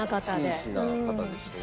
紳士な方でしたね。